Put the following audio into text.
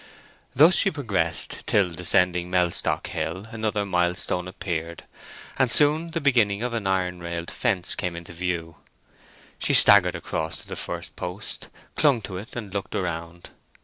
Thus she progressed till descending Mellstock Hill another milestone appeared, and soon the beginning of an iron railed fence came into view. She staggered across to the first post, clung to it, and looked around.